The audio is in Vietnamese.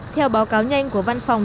theo báo cáo nhanh của văn phòng